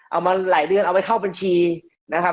เอามาหลายเดือนเอาไปเข้าบัญชีนะครับ